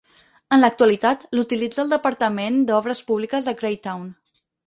En l'actualitat, l'utilitza el departament d'obres públiques de Greytown.